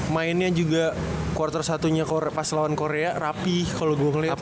mainnya juga quarter satu nya pas lawan korea rapih kalo gue ngeliat